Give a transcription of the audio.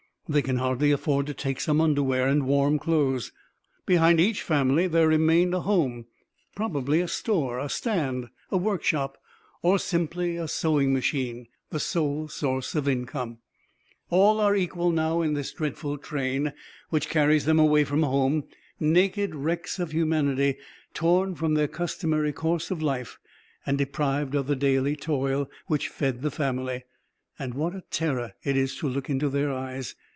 They can hardly afford to take some underwear and warm clothes.... Behind each family there remained a home, probably a store, a stand, a workshop or simply a sewing machine, the sole source of income.... All are equal now in this dreadful train, which carries them away from home, naked wrecks of humanity, torn from their customary course of life and deprived of the daily toil, which fed the family. And what a terror it is to look into their eyes.